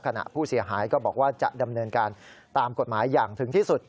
ขณะผู้เสียหายก็บอกว่าจะดำเนินการตามกฎหมายอย่างถึงที่สุด